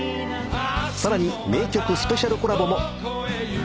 さらに名曲スペシャルコラボも。